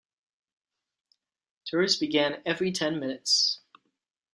Tours began every ten minutes.